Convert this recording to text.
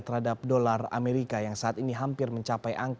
terhadap dolar amerika yang saat ini hampir mencapai angka